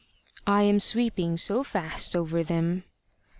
"I am sweeping so fast over them."